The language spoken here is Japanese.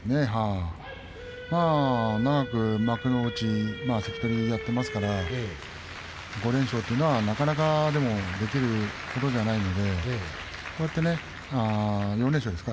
まあ長く幕内で関取やっていますから５連勝というのはなかなかできることじゃないのでこうやって４連勝ですか？